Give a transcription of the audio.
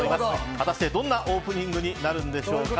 果たして、どんなオープニングになるんでしょうか。